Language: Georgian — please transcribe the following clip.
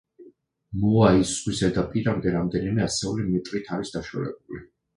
მოაი ზღვის ზედაპირამდე რამდენიმე ასეული მეტრით არის დაშორებული.